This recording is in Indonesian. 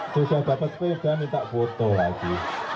sudah dapat sepeda minta foto lagi